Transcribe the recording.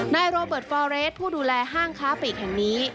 นายโรเบิร์ตฟอเรสผู้ดูแลห้างค้าปีกแห่งนี้